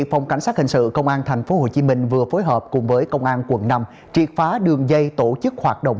phòng cảnh sát hình sự công an tp hcm vừa phối hợp cùng với công an quận năm triệt phá đường dây tổ chức hoạt động